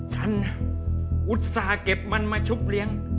ฉันนะอุตส่าห์เก็บมันมาชุบเลี้ยง